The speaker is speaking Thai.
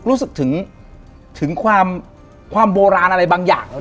รู้สึกถึงความโบราณอะไรบางอย่าง